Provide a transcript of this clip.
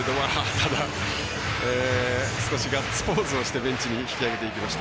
ただ、少しガッツポーズをしてベンチに引き揚げていきました。